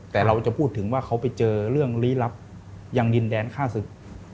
แต่เราจะพูดถึงว่าเขาไปเจอเรื่องลี้ลับยังดินแดนฆ่าศึก